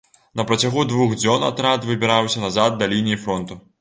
На працягу двух дзён атрад выбіраўся назад да лініі фронту.